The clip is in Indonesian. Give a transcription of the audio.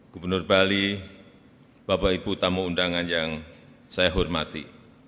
gubernur bali bapak ibu tamu undangan yang saya hormati